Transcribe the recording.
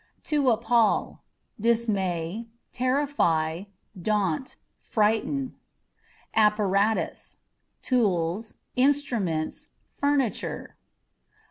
To Appal â€" dismay, terrify, daunt, frighten. Apparatus â€" tools, instruments, furniture.